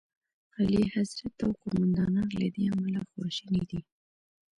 اعلیخضرت او قوماندان له دې امله خواشیني دي.